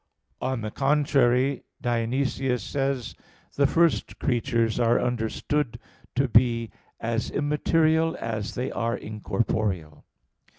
On the contrary, Dionysius says (Div. Nom. iv): "The first creatures are understood to be as immaterial as they are incorporeal."